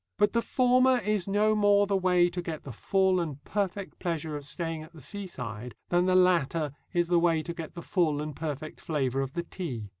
But the former is no more the way to get the full and perfect pleasure of staying at the seaside than the latter is the way to get the full and perfect flavour of the tea.